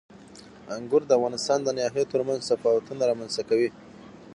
انګور د افغانستان د ناحیو ترمنځ تفاوتونه رامنځته کوي.